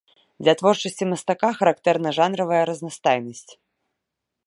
Для творчасці мастака характэрна жанравая разнастайнасць.